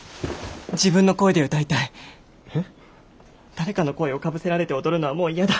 誰かの声をかぶせられて踊るのはもう嫌だ。